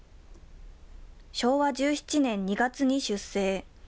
昭和１７年２月に出征。